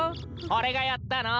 俺がやったの。